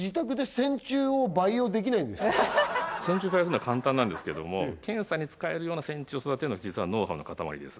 線虫を培養するのは簡単なんですけども検査に使えるような線虫を育てるのは実はノウハウの塊です